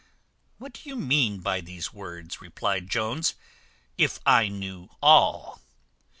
"What do you mean by these words," replied Jones, "if I knew all?"